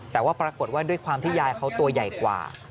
แต่ว่าปรากฏว่าด้วยความที่ยายเขาตัวใหญ่กว่า